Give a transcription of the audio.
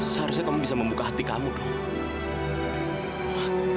seharusnya kamu bisa membuka hati kamu dong